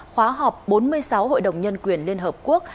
khóa họp bốn mươi sáu hội đồng nhân quyền liên hợp quốc